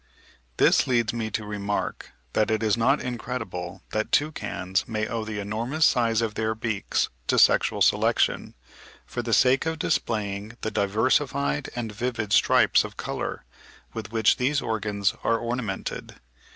This leads me to remark that it is not incredible that toucans may owe the enormous size of their beaks to sexual selection, for the sake of displaying the diversified and vivid stripes of colour, with which these organs are ornamented.